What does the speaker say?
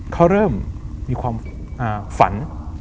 เขาเริ่มมีความฝัน